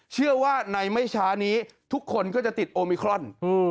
เชื่อว่าในไม่ช้านี้ทุกคนก็จะติดโอมิครอน